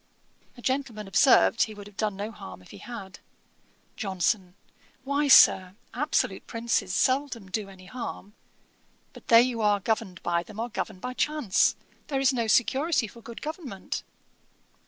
A gentleman observed he would have done no harm if he had. JOHNSON. 'Why, Sir, absolute princes seldom do any harm. But they who are governed by them are governed by chance. There is no security for good government.'